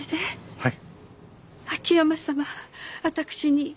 はい。